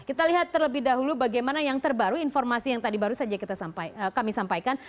kita lihat terlebih dahulu bagaimana yang terbaru informasi yang tadi baru saja kami sampaikan